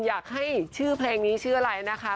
อยากให้ชื่อเพลงนี้ชื่ออะไรนะคะ